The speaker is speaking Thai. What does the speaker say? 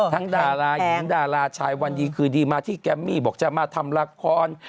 ดารายินดาราชายวันดีคืนดีมาที่แกมมี่บอกจะมาทำละคร